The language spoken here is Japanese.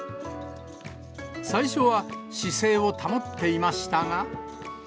最初は姿勢を保っていましたが。